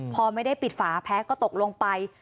พอไม่ได้ปิดฝาแพ้ก็ตกลงไป